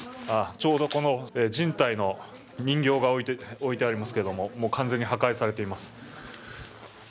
ちょうど人体の人形が置いてありますけれども、もう完全に破壊されています。